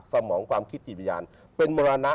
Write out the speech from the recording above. สมองความคิดจิตวิญญาณเป็นมรณะ